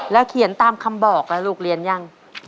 เขียนตามคำบอกล่ะลูกเรียนยัง